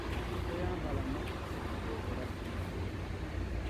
Toyambala masiki nga okola dduyiro.